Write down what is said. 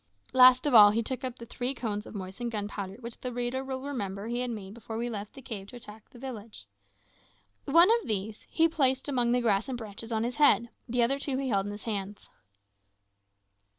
Last of all, he took up the three cones of moistened gunpowder which the reader will remember he had made before we left the cave to attack the village. One of these he placed among the grass and branches on his head, the other two he held in his hands.